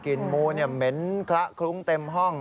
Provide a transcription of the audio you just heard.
กินมูนเนี่ยเหม็นแคละคุ้มเต็มห้อง